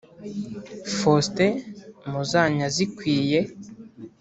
Faustin Muzanyazikwiye